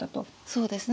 そうですね。